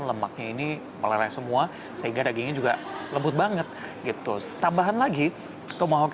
lemaknya ini melerai semua sehingga dagingnya juga lembut banget gitu tambahan lagi tomahawk